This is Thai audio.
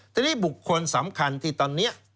ทีนี้บุคคลสำคัญที่ตอนนี้